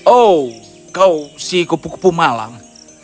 oh kau si kupu kupu malang